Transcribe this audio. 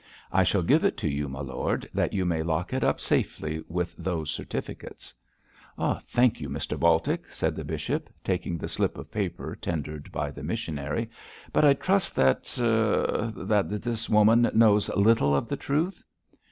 I shall give it to you, my lord, that you may lock it up safely with those certificates.' 'Thank you, Mr Baltic,' said the bishop, taking the slip of paper tendered by the missionary, 'but I trust that er that this woman knows little of the truth.'